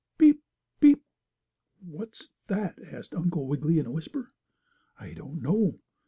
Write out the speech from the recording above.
Peep! Peep!" "What's that?" asked Uncle Wiggily in a whisper. "I don't know.